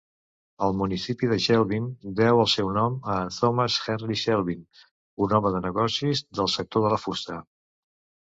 El municipi de Shevlin deu el seu nom a Thomas Henry Shevlin, un home de negocis del sector de la fusta.